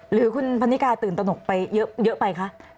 หรือคุณพันนิกาตื่นตนกไปเยอะไปคะ